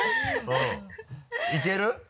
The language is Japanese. いける？